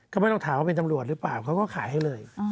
ก็ไม่ต้องถามว่าเป็นตำรวจหรือเปล่าเขาก็ขายให้เลย